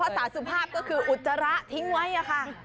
เอาภาษาสุภาพก็คืออุตรระทิ้งไว้อะค่ะ